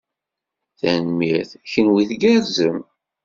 Tanemmirt, kenwi tgerrzem!